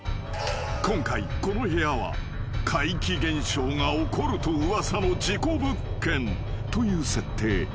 ［今回この部屋は怪奇現象が起こると噂の事故物件という設定］